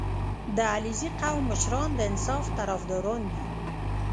• د علیزي قوم مشران د انصاف طرفداران دي.